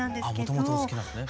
もともとお好きなんですね。